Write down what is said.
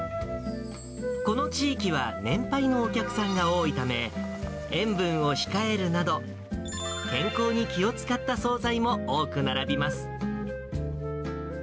この地域は年配のお客さんが多いため、塩分を控えるなど、健康に気を遣った総菜も多く並びます。